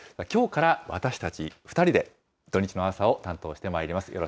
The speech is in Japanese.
きょうから私たち２人で、土日の朝を担当してまいります。